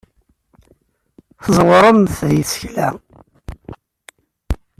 Tẓewremt deg tsekla.